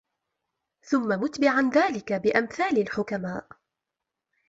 ثُمَّ مُتْبِعًا ذَلِكَ بِأَمْثَالِ الْحُكَمَاءِ